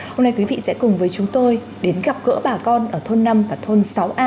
hôm nay quý vị sẽ cùng với chúng tôi đến gặp gỡ bà con ở thôn năm và thôn sáu a